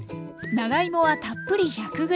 長芋はたっぷり１００ｇ。